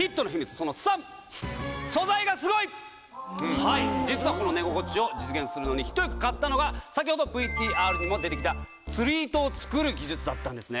その３はい実はこの寝心地を実現するのに一役買ったのが先ほどＶＴＲにも出てきた釣り糸を作る技術だったんですね